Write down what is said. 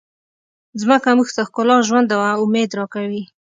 مځکه موږ ته ښکلا، ژوند او امید راکوي.